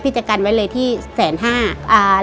พี่จะการไว้เลยที่๑๕๐๐๐๐บาท